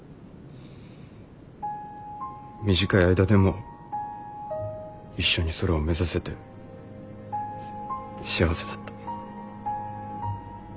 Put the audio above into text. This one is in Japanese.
短い間でも一緒に空を目指せて幸せだった。